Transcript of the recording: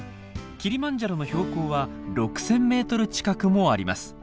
キリマンジャロの標高は６，０００ｍ近くもあります。